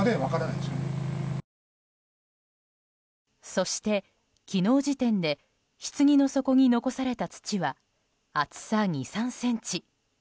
そして、昨日時点でひつぎの底に残された土は厚さ２３ｃｍ。